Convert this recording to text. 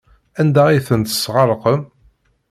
Anda ay tent-tesɣerqem?